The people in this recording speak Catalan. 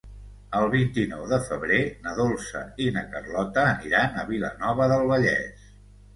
El vint-i-nou de febrer na Dolça i na Carlota aniran a Vilanova del Vallès.